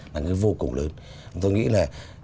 là cái vô cùng lớn tôi nghĩ là